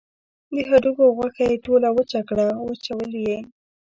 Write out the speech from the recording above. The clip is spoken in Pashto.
د هډوکو غوښه یې ټوله وچه کړه وچول یې.